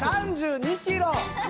３２キロ！